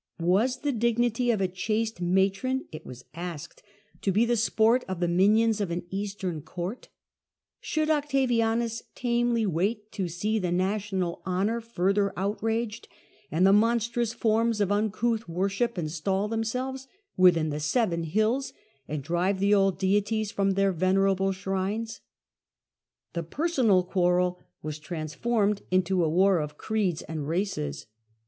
Was the dignity of a chaste matron, it was asked, to be the sport of the minions of an Eastern court ? Should Octavianus tamely wait to see the national honour further outraged, and the monstrous forms of un couth worships instal themselves within the Seven Hills and drive the old deities from their venerable shrines ? The personal quarrel was transformed into a war of creeds and races.